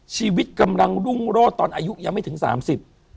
ชีวิตกำลังรุ่งโรดตอนอายุยังไม่ถึงสามสิบ